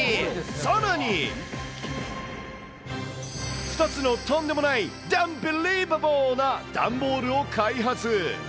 さらに、２つのとんでもない段ビリーバボーな段ボールを開発。